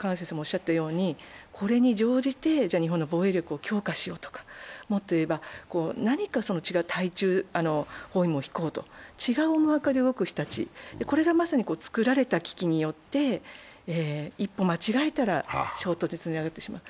これに乗じて、日本の防衛力を強化しようとか、もっと言えば何か違う、対中包囲網を引こうと、違う思惑で動く人たちがまさにつくられた危機によって一歩間違えたら衝突につながってしまう。